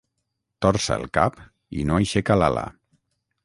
Torça el cap i no aixeca l'ala.